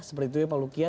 seperti itu ya pak lukia